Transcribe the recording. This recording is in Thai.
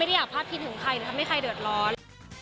ไม่ได้อยากพลาดคิดถึงใครหรือทำให้ใครเดือดร้อน